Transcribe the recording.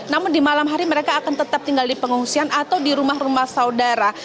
namun di malam hari mereka akan tetap tinggal di pengungsian atau di rumah rumah saudara